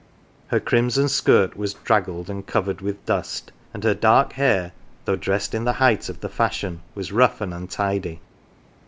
Her crimson skirt was draggled and covered with dust, and her dark hair, though dressed in the height of the fashion, was rough and untidy.